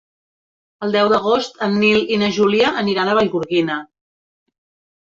El deu d'agost en Nil i na Júlia aniran a Vallgorguina.